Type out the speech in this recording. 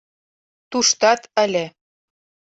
Туштат ыле.